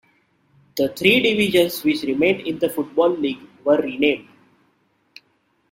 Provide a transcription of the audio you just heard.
The three divisions which remained in the Football League were renamed.